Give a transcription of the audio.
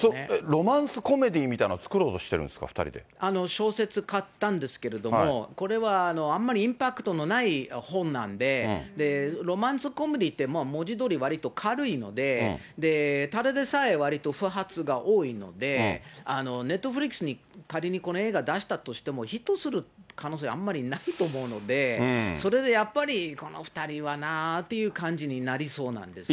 ロマンスコメディーみたいなものを作ろうとしてるんですか、小説買ったんですけど、これはあんまりインパクトのない本なんで、ロマンスコメディーって、文字どおりわりと軽いので、ただでさえわりと不発が多いので、ネットフリックスに仮にこの映画、出したとしても、ヒットする可能性はあんまりないと思うので、それでやっぱり、この２人はなあっていう感じになりそうなんですよね。